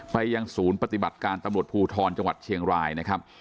ยังศูนย์ปฏิบัติการตำรวจภูทรจังหวัดเชียงรายนะครับ